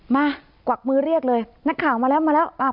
มากวักมือเรียกเลยนักข่าวมาแล้วมาแล้วอ่า